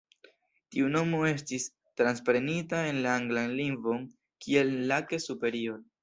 Tiu nomo estis transprenita en la anglan lingvon kiel "Lake Superior".